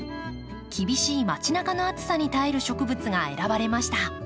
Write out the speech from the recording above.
厳しいまち中の暑さに耐える植物が選ばれました。